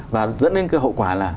và dẫn đến cái hậu quả là